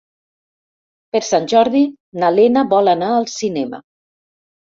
Per Sant Jordi na Lena vol anar al cinema.